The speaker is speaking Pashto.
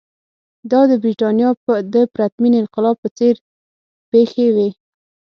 دا د برېټانیا د پرتمین انقلاب په څېر پېښې وې.